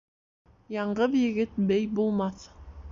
Яңғыҙ егет бей булмаҫ.